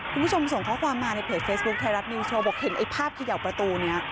คุณผู้ชมส่งข้อความมาในเพจเฟซบุ๊คไทยรัฐนิวส์โชว์บอกเห็นไอ้ภาพเขย่าประตูนี้